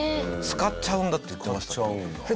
使っちゃうんだって言ってましたね。